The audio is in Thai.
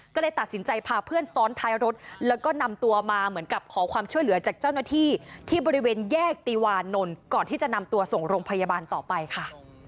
ก็เลยตัดสินใจพาเพื่อนซ้อนท้ายรถแล้วก็นำตัวมาเหมือนกับขอความช่วยเหลือจากเจ้าหน้าที่ที่บริเวณแยกตีวานนท์ก่อนที่จะนำตัวส่งโรงพยาบาลต่อไปค่ะ